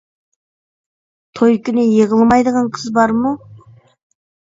توي كۈنى يىغلىمايدىغان قىز بارمۇ؟